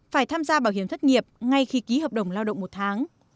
phải tham gia bảo hiểm thất nghiệp ngay khi ký hợp đồng lao động một tháng